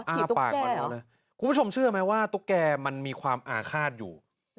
อ้าปากทุกผู้ชมเชื่อมั้ยว่าตุ๊กแก่มันมีความอาฆาตอยู่